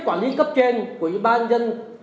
quản lý cấp trên của ủy ba nhân dân